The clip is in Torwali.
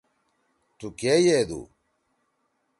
تُو کے یدُو؟